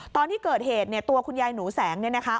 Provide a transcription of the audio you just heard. ตอนที่เกิดเหตุเนี่ยตัวคุณยายหนูแสงเนี่ยนะคะ